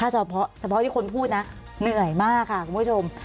เฉพาะที่คนพูดนะเหนื่อยมากค่ะคุณผู้ชม